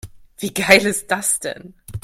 Wie geil ist das denn?